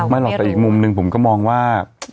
หรอกแต่อีกมุมหนึ่งผมก็มองว่า